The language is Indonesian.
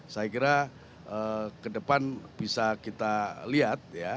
saya kira kedepan bisa kita lihat